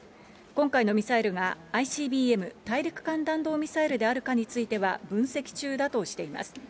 今回のミサイルが、ＩＣＢＭ・大陸間弾道ミサイルであるかについては分析中だとしています。